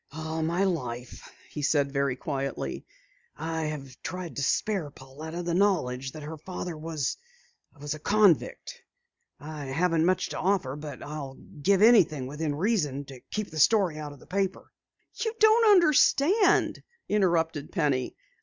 "All my life," he said very quietly, "I have tried to spare Pauletta the knowledge that her father was a convict. I haven't much to offer, but I'll give anything within reason to keep the story out of the paper." "You don't understand," interrupted Penny.